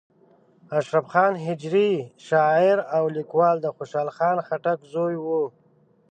اشرف خان هجري شاعر او لیکوال د خوشحال خان خټک زوی و.